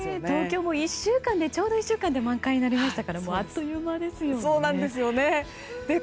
東京もちょうど１週間で満開になりましたからあっという間ですよね。